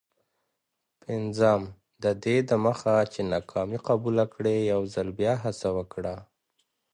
پنځم: ددې دمخه چي ناکامي قبوله کړې، یوځل بیا هڅه وکړه.